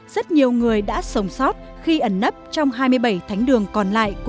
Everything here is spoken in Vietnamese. rất nhiều người đã sống sót khi ấn độ